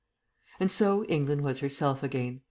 ..... And so England was herself again.